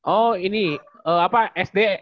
oh ini apa sd